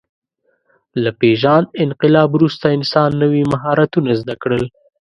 له پېژاند انقلاب وروسته انسان نوي مهارتونه زده کړل.